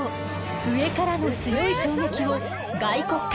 上からの強い衝撃を外骨格